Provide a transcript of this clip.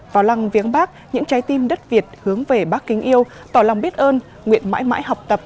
vào lăng viếng bác những trái tim đất việt hướng về bác kính yêu tỏ lòng biết ơn nguyện mãi mãi học tập